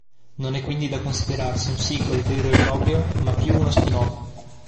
Non è quindi da considerarsi un sequel vero e proprio, ma più uno "spin-off".